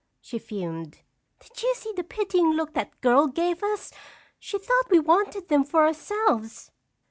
she fumed. "Did you see the pitying look that girl gave us? She thought we wanted them for ourselves."